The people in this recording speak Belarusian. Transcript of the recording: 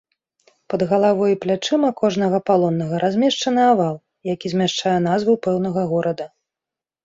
Пад галавой і плячыма кожнага палоннага размешчаны авал, які змяшчае назву пэўнага горада.